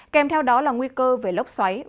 kèm theo đó là nguy cơ về lốc xoáy